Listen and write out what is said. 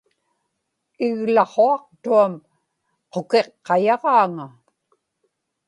iglaqhuaqtuam qukiqqayaġaaŋa